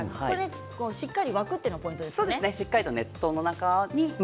しっかり沸くのがポイントですか？